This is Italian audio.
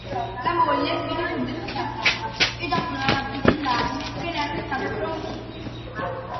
La moglie viene subito sospettata e dopo una rapida indagine viene arrestata per omicidio.